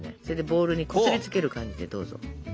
それでボウルにこすりつける感じでどうぞ。